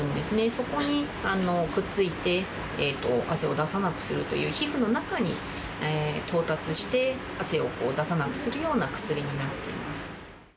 そこにくっついて、汗を出さなくするという、皮膚の中に到達して、汗を出さなくするような薬になっています。